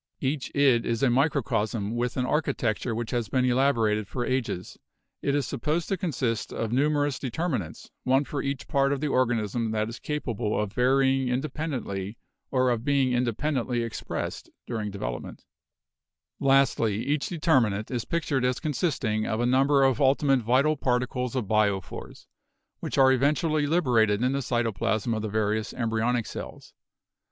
Each id is a microcosm with an architecture which has been elaborated for ages ; it is supposed to con sist of numerous determinants, one for each part of the organism that is capable of varying independently or of being independently expressed during development. HEREDITY 251 Lastly, each determinant is pictured as consisting of a number of ultimate vital particles of biophores, which are eventually liberated in the cytoplasm of the various em bryonic cells.